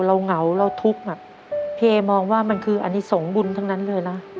เหงาเราทุกข์น่ะพี่เอมองว่ามันคืออันนี้ส่งบุญทั้งนั้นเลยนะ